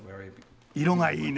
色がいいね。